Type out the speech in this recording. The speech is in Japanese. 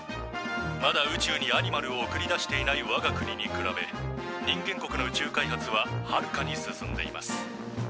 まだ宇宙にアニマルを送り出していないわが国に比べ人間国の宇宙開発ははるかに進んでいます。